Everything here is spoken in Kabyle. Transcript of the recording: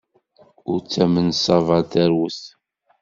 Ur ttamen ṣṣaba ar terwet!